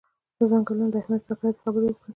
د څنګلونو د اهمیت په هکله دې خبرې وکړي.